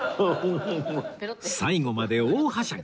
最後まで大はしゃぎ！